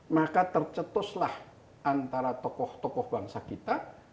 maka tercetuslah antara tokoh tokoh bangsa kita